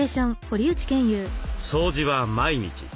掃除は毎日。